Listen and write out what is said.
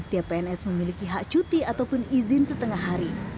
setiap pns memiliki hak cuti ataupun izin setengah hari